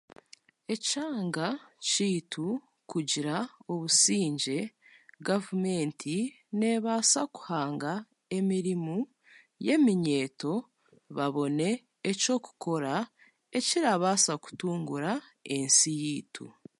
Ekyanga kyaitu kugira obusingye, gavumenti n'ebaasa kuhanga emirimu y'eminyeeto babone eky'okukora ekirabaasa kutungura ensi yaitu